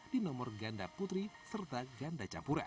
di nomor ganda putri serta ganda campuran